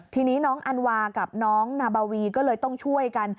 ทีนี้น้องอันวากับน้องนาบาวีก็เลยต้องช่วยกัน